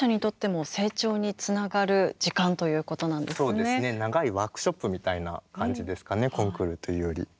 そうですね長いワークショップみたいな感じですかねコンクールというより。